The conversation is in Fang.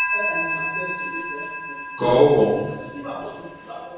Ko won.